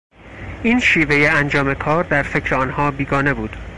این شیوهی انجام کار در فکر آنها بیگانه بود.